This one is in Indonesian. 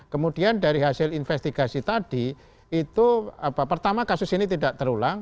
kemudian dari hasil investigasi tadi itu pertama kasus ini tidak terulang